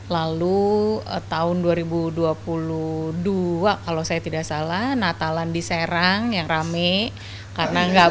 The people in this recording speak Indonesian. lalu tahun dua ribu dua puluh dua kalau saya tidak salah natalan di serang yang rame karena nggak